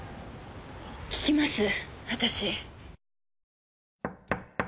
聞きます私。